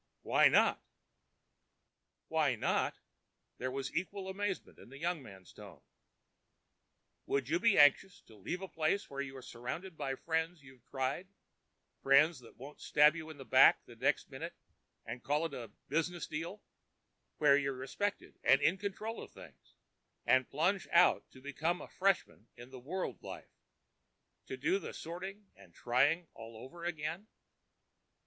Why not?" "Why not?" There was equal amazement in the younger man's tone. "Would you be anxious to leave a place where you're surrounded by friends you've tried—friends that won't stab you in the back the next minute and call it a 'business deal'—where you're respected and in control of things, and plunge out to become a freshman in the world life, to do the sorting and trying all over again?"